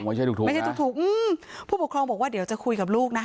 ไม่ใช่ถูกไม่ใช่ถูกอืมผู้ปกครองบอกว่าเดี๋ยวจะคุยกับลูกนะคะ